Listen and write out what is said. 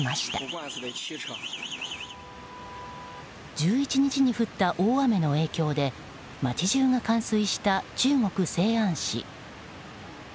１１日に降った大雨の影響で町中が冠水した中国・西安市。